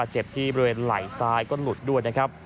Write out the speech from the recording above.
เจ็บที่บริเวณไหล่ซ้ายก็หลุดด้วยนะครับ